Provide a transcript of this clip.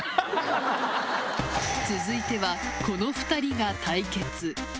続いてはこの２人が対決。